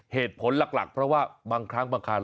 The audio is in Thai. เหตุผลหลักเพราะว่าบางครั้งบางคัน